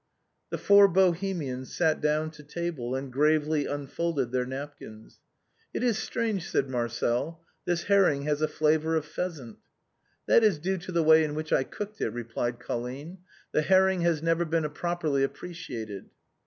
The four Bohemians sat down to table and gravely un folded their napkins. " It is strange," said Marcel, " this herring has a flavor of pheasant." "That is due to the way in which I cooked it," replied Colline; " the herring has never been properly appreciated."